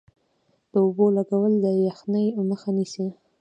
د اوبو لګول د یخنۍ مخه نیسي؟